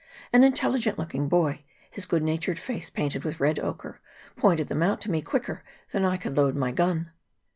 An intelligent looking boy, his goodnatured face painted with red ochre, pointed them out to me quicker than I could load my gun.